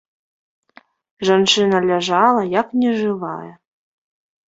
Жанчына ляжала, як нежывая.